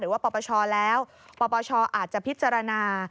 หรือว่าปปชแล้วปปชอาจจะพิจารณา